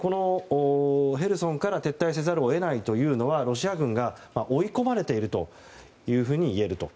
ヘルソンから撤退せざるを得ないというのはロシア軍が追い込まれているというふうにいえると。